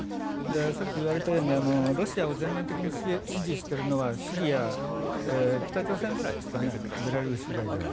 さっき言われたように、ロシアを全面的に支持しているのはシリア、北朝鮮ぐらいですかねベラルーシ以外では。